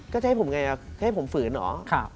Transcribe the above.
จะให้ผมไงให้ผมฝืนเหรอ